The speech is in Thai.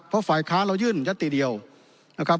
เพราะฝ่ายค้าเรายื่นยัตติเดียวนะครับ